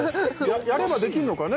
やればできんのかね？